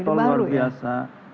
ya tol luar biasa